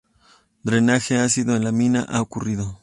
Drenaje ácido de la mina ha ocurrido.